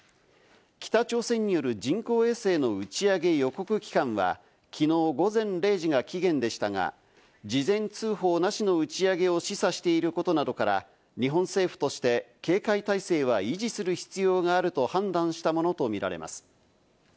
北朝鮮による人工衛星の打ち上げ予告期間は、きのう午前０時が期限でしたが、事前通報なしの打ち上げを示唆していることなどから、日本政府として警戒態勢は維持する必要があると判断したものと見られます。